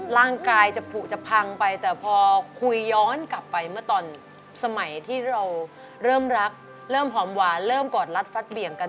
ร่างกายจะผูกจะพังไปแต่พอคุยย้อนกลับไปเมื่อตอนสมัยที่เราเริ่มรักเริ่มหอมหวานเริ่มกอดรัดฟัดเบี่ยงกัน